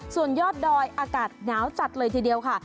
ส่วนยอดดอยอากาศหนาวจัดเลยทีเดียวค่ะ